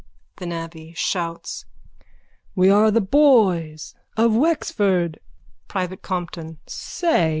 THE NAVVY: (Shouts.) We are the boys. Of Wexford. PRIVATE COMPTON: Say!